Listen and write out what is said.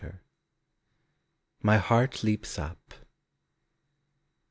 MY HEART LEAPS UP.